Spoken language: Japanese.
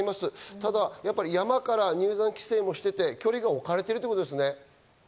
ただ山から入山規制をしていて、距離が置かれているということですね。